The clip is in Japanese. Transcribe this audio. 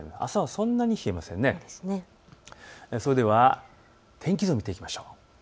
それでは天気図を見ていきましょう。